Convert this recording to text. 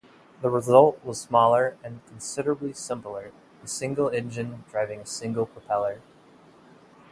The result was smaller and considerably simpler: a single engine driving a single propeller.